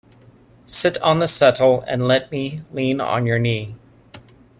Sit on the settle and let me lean on your knee.